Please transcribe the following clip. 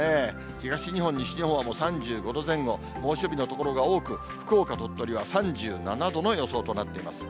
東日本、西日本はもう３５度前後、猛暑日の所が多く、福岡、鳥取は３７度の予想となっています。